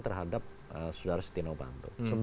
terhadap sudara setia novanto